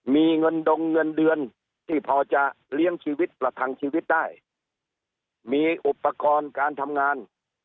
มีเงินดงเงินเดือนที่พอจะเลี้ยงชีวิตประทังชีวิตได้มีอุปกรณ์การทำงาน